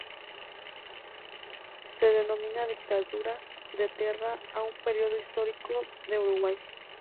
Se denomina Dictadura de Terra a un período histórico de Uruguay.